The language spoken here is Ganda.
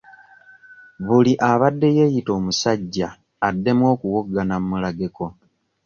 Buli abadde yeeyita omusajja addemu okuwoggana mmulageko.